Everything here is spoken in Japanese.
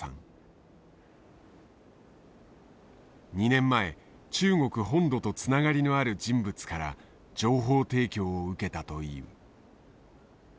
２年前中国本土とつながりのある人物から情報提供を受けたという。